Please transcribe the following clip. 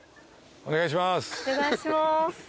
お願いします。